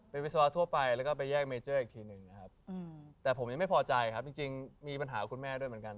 เป็นวิศวะทั่วไปแล้วก็ไปแยกเมเจอร์อีกทีหนึ่งนะครับแต่ผมยังไม่พอใจครับจริงมีปัญหากับคุณแม่ด้วยเหมือนกัน